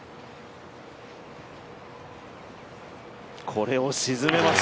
これを沈めます。